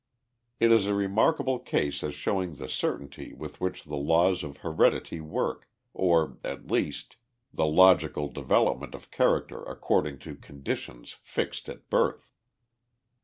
It is a remarkable case as showing the certainty with which the laws of heredity work, or, at least, the logical development of character according to conditions fixed at birth.